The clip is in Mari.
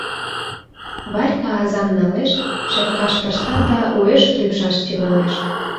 Варька азам налеш, шепкаш пышта да уэш рӱпшаш тӱҥалеш.